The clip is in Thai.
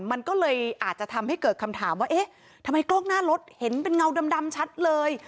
มันก็เลยอาจจะทำให้เกิดคำถามว่าเอ๊ะทำไมกล้องหน้ารถเห็นเป็นเงาดำชัดเลย